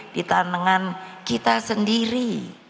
di tangan kita sendiri